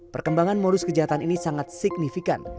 perkembangan modus kejahatan ini sangat signifikan